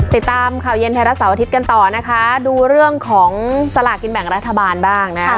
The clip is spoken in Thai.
ติดตามข่าวเย็นไทยรัฐเสาร์อาทิตย์กันต่อนะคะดูเรื่องของสลากกินแบ่งรัฐบาลบ้างนะคะ